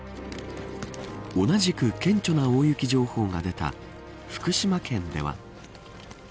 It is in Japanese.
同じく顕著な大雪情報が出た福島県では。